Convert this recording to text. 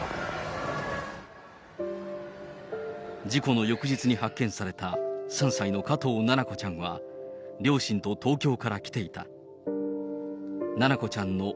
事故の翌日に発見された、３歳の加藤七菜子ちゃんは、両親と東京から来ていた。